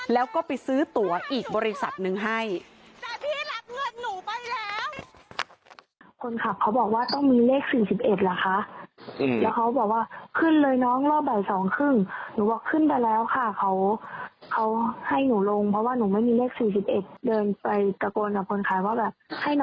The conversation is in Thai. แล้วก็ไปซื้อตัวอีกบริษัทหนึ่งให้